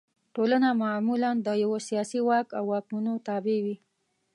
ټولنه معمولا د یوه سیاسي واک او واکمنو تابع وي.